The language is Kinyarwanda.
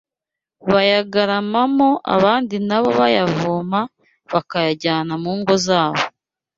bayagaramamo abandi na bo bayavoma bakayajyana mu ngo zabo